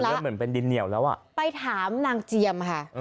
แล้วเหมือนเป็นดินเหนียวแล้วอ่ะไปถามนางเจียมค่ะ